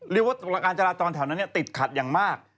เรียกว่าการจราจรแถวนั้นติดขัดอย่างมาก